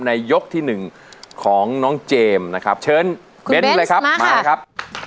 ในยกที่หนึ่งของน้องเจมส์นะครับเชิญเป็นเลยครับ